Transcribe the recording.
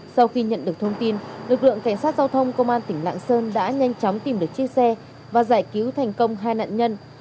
sau khi nhận được thông tin lực lượng cảnh sát giao thông công an tỉnh lạng sơn đã nhanh chóng tìm được chiếc xe và giải cứu thành công hai nạn nhân